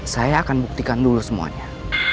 saya akan buktikan dulu semuanya